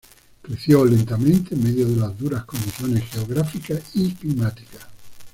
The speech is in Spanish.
Creció lentamente en medio de las duras condiciones geográficas y climáticas.